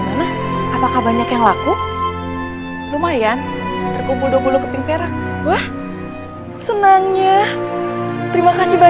nanti keburu orang lain melihat